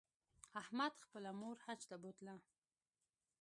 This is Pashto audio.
احمد خپله مور حج ته بوتله.